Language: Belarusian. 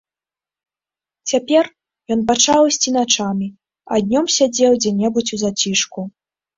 Цяпер ён пачаў ісці начамі, а днём сядзеў дзе-небудзь у зацішку.